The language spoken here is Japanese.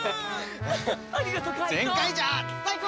ありがとう介人！